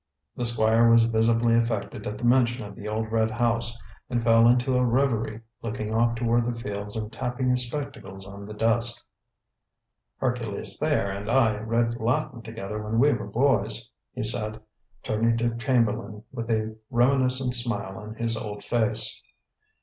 The squire was visibly affected at the mention of the old red house, and fell into a revery, looking off toward the fields and tapping his spectacles on the desk. "Hercules Thayer and I read Latin together when we were boys," he said, turning to Chamberlain with a reminiscent smile on his old face.